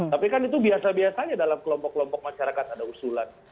tapi kan itu biasa biasanya dalam kelompok kelompok masyarakat ada usulan